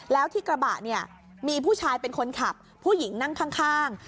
แล้วที่กระบะเนี่ยมีผู้ชายเป็นคนขับผู้หญิงนั่งข้าง